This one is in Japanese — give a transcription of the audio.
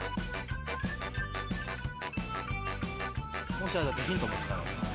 もしあれだったらヒントも使えます。